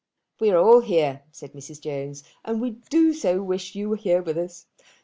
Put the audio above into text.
"We are all here," said Mrs. Jones, "and we do so wish you were with us.